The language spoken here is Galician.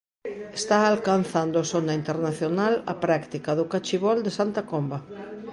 Está alcanzando sona internacional a práctica do cachibol de Santa Comba.